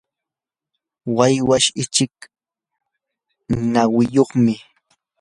waywash ichik nawiyuqmi.